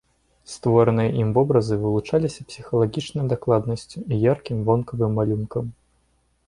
Створаныя ім вобразы вылучаліся псіхалагічнай дакладнасцю і яркім вонкавым малюнкам.